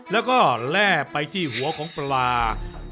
แล้วก็แล่ไปที่หัวของปลา